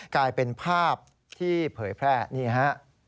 กลายเป็นภาพที่เผยแพร่นี่ฮะ